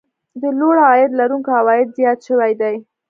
د لوړ عاید لرونکو عوايد زیات شوي دي